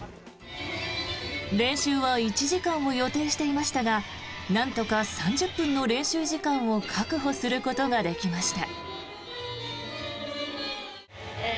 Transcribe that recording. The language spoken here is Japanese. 練習は１時間を予定していましたがなんとか３０分の練習時間を確保することができました。